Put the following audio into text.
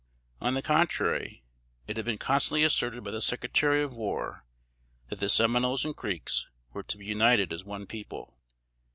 On the contrary, it had been constantly asserted by the Secretary of War, that the Seminoles and Creeks were to be united as one people.